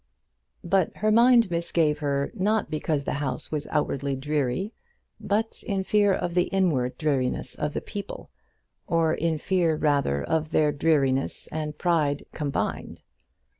But her mind misgave her, not because the house was outwardly dreary, but in fear of the inward dreariness of the people or in fear rather of their dreariness and pride combined.